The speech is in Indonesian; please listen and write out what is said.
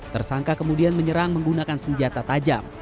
tersangka kemudian menyerang menggunakan senjata tajam